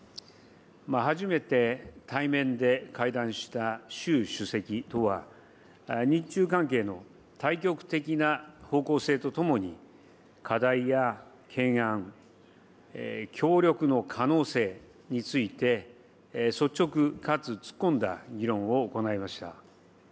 初めて対面で会談した習主席とは、日中関係の大局的な方向性とともに、課題や懸案、協力の可能性について率直かつ突っ込んだ議論を行いました。